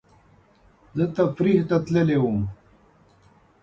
زه تفریح ته تللی وم